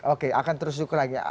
oke akan terus kurangi